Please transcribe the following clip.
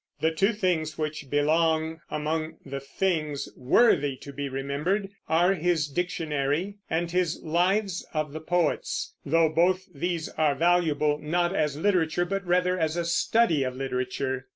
The two things which belong among the things "worthy to be remembered" are his Dictionary and his Lives of the Poets, though both these are valuable, not as literature, but rather as a study of literature.